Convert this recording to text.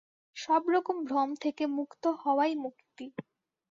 সব রকম ভ্রম থেকে মুক্ত হওয়াই মুক্তি।